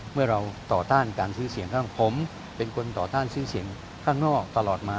เมื่อเราต่อต้านการซื้อเสียงข้างผมเป็นคนต่อต้านซื้อเสียงข้างนอกตลอดมา